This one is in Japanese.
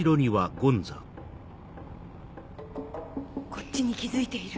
こっちに気付いている。